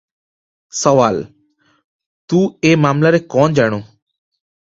ସୱାଲ - ତୁ ଏ ମାମଲାରେ କଣ ଜାଣୁ?